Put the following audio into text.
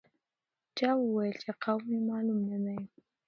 چا وویل چې قوم یې معلوم نه دی.